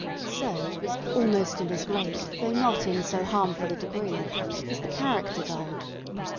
So, almost in as great, though not in so harmful a degree, is the "character doll."